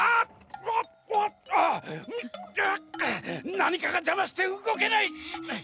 なにかがじゃましてうごけない！